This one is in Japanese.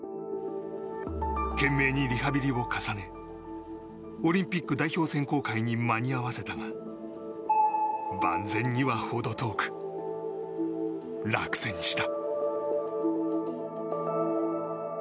懸命にリハビリを重ねオリンピック代表選考会に間に合わせたが万全には程遠く落選した。